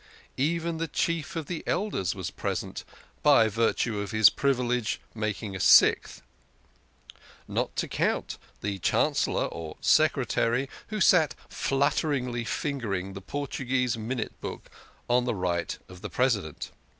Even the Chief of the Elders was present, by virtue of his privilege, making a sixth ; not to count the Chancellor or Secretary, who sat flutteringly fingering the Portuguese Min ute Book on the right of the President.